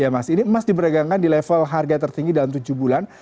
ya mas ini emas diberagangkan di level harga tertinggi dalam tujuh bulan